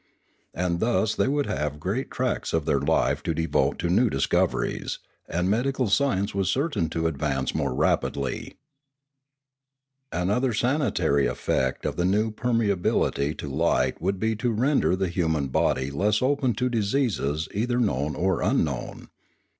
And thus they would have great tracts of their life to devote to new discoveries, and medical science was certain to advance more rapidly. Another sanitary effect of the new permeability to light would be to render the human body less open to diseases either known or unknown.